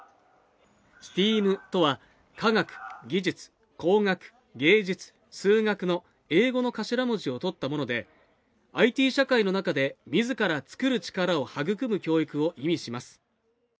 ＳＴＥＡＭとは科学技術工学芸術数学の英語の頭文字を取ったものでＩＴ社会の中で自ら作る力を育む教育を意味します